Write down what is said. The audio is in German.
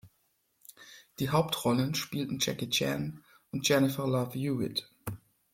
Die Hauptrollen spielten Jackie Chan und Jennifer Love Hewitt.